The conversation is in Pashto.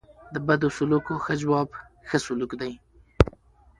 د بدو سلوکو ښه جواب؛ ښه سلوک دئ.